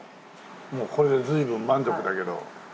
もうこれで随分満足だけど。